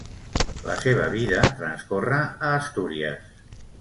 La seva vida transcorre a Astúries.